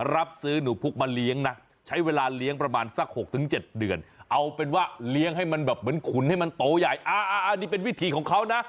รับซื้อหนูพุกมาเลี้ยงนะใช้เวลาเลี้ยงประมาณสัก๖๗เดือน